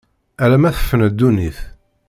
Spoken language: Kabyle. Ala ma tefna ddunit.